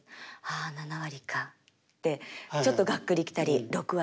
「あ７割か」ってちょっとがっくり来たり「６割」。